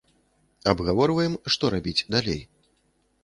Абгаворваем, што рабіць далей.